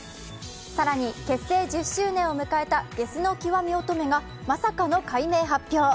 更に、結成１０周年を迎えたゲスの極み乙女がまさかの改名発表。